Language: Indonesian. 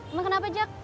emang kenapa jack